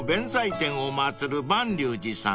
天を祭る蟠龍寺さん］